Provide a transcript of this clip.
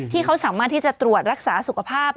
ที่เขาสามารถที่จะตรวจรักษาสุขภาพ